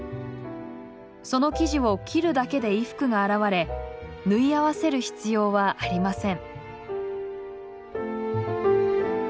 その生地を切るだけで衣服が現れ縫い合わせる必要はありません。